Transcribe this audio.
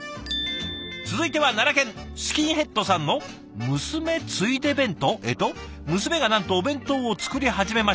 続いては奈良県スキンヘッドさんの「娘ついで弁当」？えっと「娘がなんとお弁当を作り始めました。